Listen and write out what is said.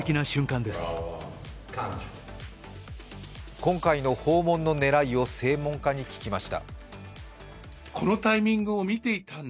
今回の訪問の狙いを専門家に聞きました。